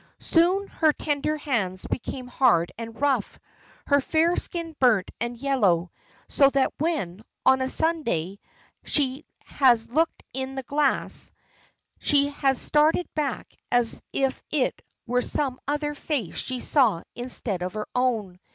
Soon her tender hands became hard and rough, her fair skin burnt and yellow; so that when, on a Sunday, she has looked in the glass, she has started back as if it were some other face she saw instead of her own.